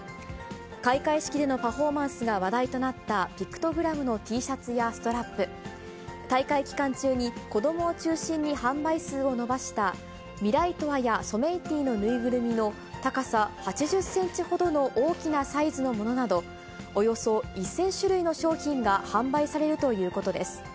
開会式でのパフォーマンスが話題となったピクトグラムのＴシャツやストラップ、大会期間中に子どもを中心に販売数を伸ばした、ミライトワやソメイティの縫いぐるみの、高さ８０センチほどの大きなサイズのものなど、およそ１０００種類の商品が販売されるということです。